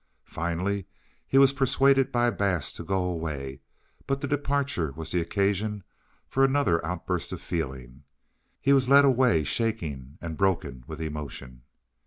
Finally he was persuaded by Bass to go away, but the departure was the occasion for another outburst of feeling; he was led away shaking and broken with emotion.